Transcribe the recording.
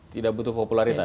tidak butuh popularitas